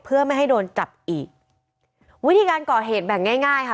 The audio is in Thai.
เพื่อไม่ให้โดนจับอีกวิธีการก่อเหตุแบ่งง่ายง่ายค่ะ